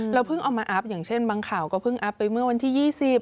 เพิ่งเอามาอัพอย่างเช่นบางข่าวก็เพิ่งอัพไปเมื่อวันที่๒๐